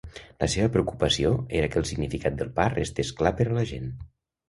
La seva preocupació era que el significat del pa restés clar per a la gent.